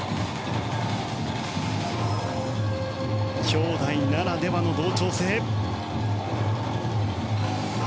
姉弟ならではの同調性。